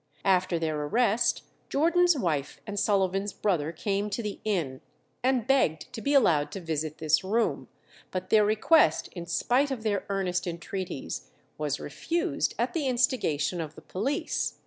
After their arrest, Jordan's wife and Sullivan's brother came to the inn, and begged to be allowed to visit this room; but their request, in spite of their earnest entreaties, was refused, at the instigation of the police.